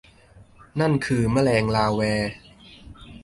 นั่นคือแมลงลาแว